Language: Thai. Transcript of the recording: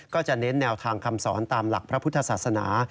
จะเน้นแนวทางคำสอนตามหลักพระพุทธศาสนา